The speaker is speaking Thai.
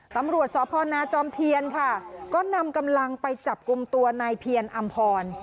ตำรวจสพนาจอมเทียนค่ะก็นำกำลังไปจับกลุ่มตัวนายเพียรอำพร